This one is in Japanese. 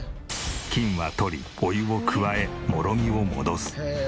菌は取りお湯を加えもろみを戻す。